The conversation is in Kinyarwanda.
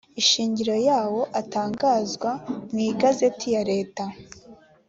shingiro yawo atangazwa mu igazeti ya leta